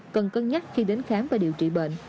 cần cân nhắc khi đến khám và điều trị bệnh